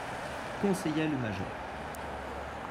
Conseilla le major.